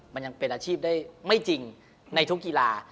มันยังเป็นอาชีพได้ไม่จริงในทุกกีฬา